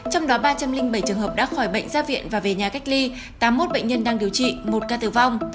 trong đó ba trăm linh bảy trường hợp đã khỏi bệnh ra viện và về nhà cách ly tám mươi một bệnh nhân đang điều trị một ca tử vong